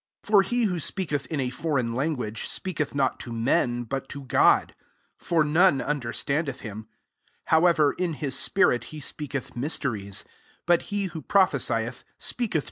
f 2 For he who sp«dc eth in a foreign language, speaketh not to men, but to God: for none undei^standedi him ; however, in his spirit lie speaketh mysteries: 3 but \» who prophesieth, speaketh.